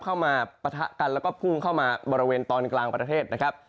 ปะทะกันแล้วก็พุ่งเข้ามาบริเวณตอนกลางประเทศนะครับ